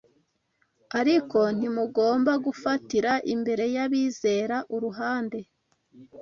Ariko ntimugomba gufatira imbere y’abizera uruhande